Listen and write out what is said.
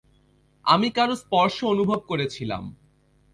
আমি কারো স্পর্শ অনুভব করে ছিলাম।